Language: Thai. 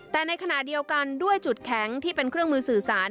แต่ในขณะเดียวกันด้วยจุดแข็งที่เป็นเครื่องมือสื่อสาร